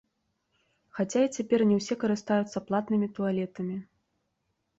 Хаця і цяпер не ўсе карыстаюцца платнымі туалетамі.